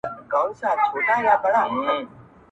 دا چي دي په سرو اناري سونډو توره نښه ده,